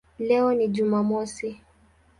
Leo ni Jumamosi".